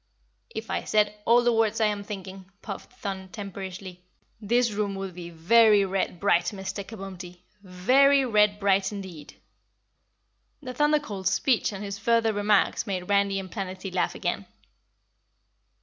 "If I said all the words I am thinking," puffed Thun temperishly, "this room would be very red bright, Mister Kabumpty, very red bright indeed." The Thunder Colt's speech and his further remarks made Randy and Planetty laugh again.